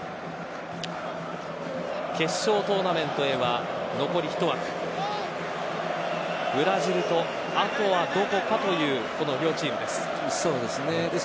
決勝トーナメントへは残り一枠ブラジルと後はどこかというこの両チームです。